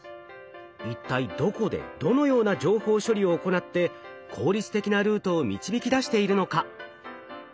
一体どこでどのような情報処理を行って効率的なルートを導き出しているのか？